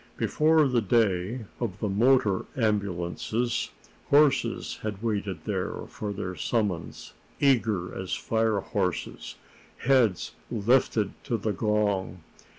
Before the day of the motor ambulances, horses had waited there for their summons, eager as fire horses, heads lifted to the gong.